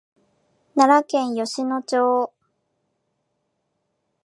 奈良県吉野町